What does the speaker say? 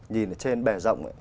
nhìn ở trên bè rộng ấy